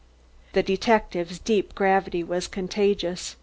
The detective's deep gravity was contagious.